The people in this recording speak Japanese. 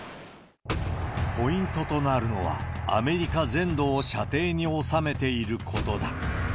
ポイントとなるのは、アメリカ全土を射程に収めていることだ。